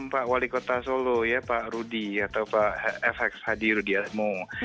pak wali kota solo ya pak rudi atau pak fx hadi rudiasmo